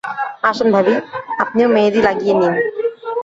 আসেন ভাবি, আপনিও মেহেদী লাগিয়ে নিন।